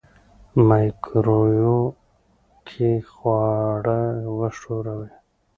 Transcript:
مایکروویو کې خواړه وښوروئ.